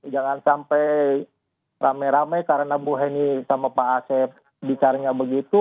jangan sampai rame rame karena bu heni sama pak asep bicaranya begitu